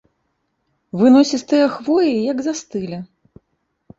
Выносістыя хвоі як застылі.